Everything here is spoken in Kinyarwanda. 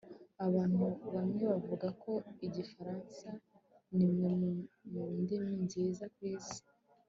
abantu bamwe bavuga ko igifaransa nimwe mundimi nziza kwisi